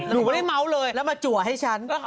หนูไม่ได้เมาส์เลยแล้วมาจัวให้ฉัน